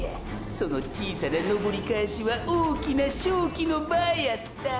その小さな登り返しは大きな勝機の場やった！！